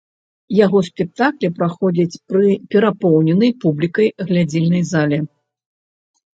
Яго спектаклі праходзяць пры перапоўненай публікай глядзельнай зале.